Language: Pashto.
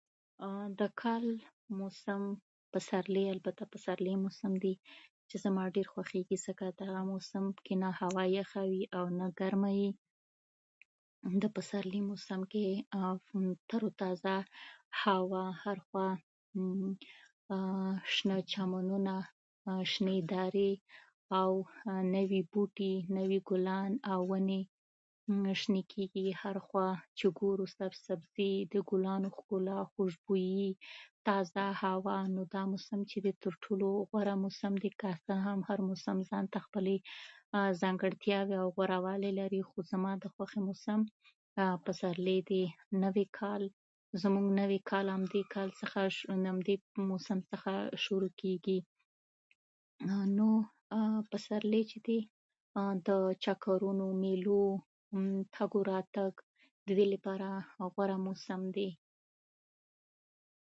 د کال موسم پسرلی، البته پسرلی موسم دی چې زما ډېر خوښېږي، ځکه چې دا موسم کې هوا نه ډېره یخه وي او نه ډېره ګرمه يي. د شنه پسرلي موسم کې تراو تازه هوا، هر خوا شنه چمنونه، شنې درې، او نوي بوټي، نوې ګلان او ونې راشنه کېږي، او هر خوا سرسبزي، د ګلانو ښکلا، خوشبويي، تازه هوا. نو دا موسم چې دی، تر ټولو غوره موسم دی. که څه هم هر موسم خپلې ځانګړتیاوې او غوره والی لري، خو زما د خوښې موسم پسرلی دی. نوی کال زموږ نوی کال هم دې کال څخه موسم څخه شروع کېږي. نو پسرلی چې دی، د چکرونو، میلو، تګ راتګ، او دې لپاره غوره موسم دی.